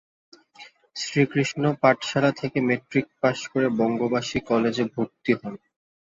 শ্রীকৃষ্ণ পাঠশালা থেকে ম্যাট্রিক পাশ করে বঙ্গবাসী কলেজে ভরতি হন।